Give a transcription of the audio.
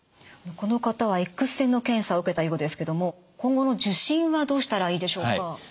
この方はＸ線の検査を受けたようですけども今後の受診はどうしたらいいでしょうか？